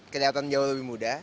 kelihatan jauh lebih muda